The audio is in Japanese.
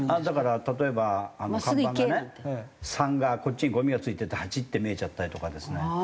だから例えば看板がね「３」がこっちにゴミが付いてて「８」って見えちゃったりとかですね。